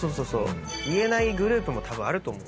言えないグループもたぶんあると思う。